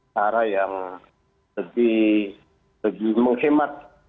cara yang lebih menghemat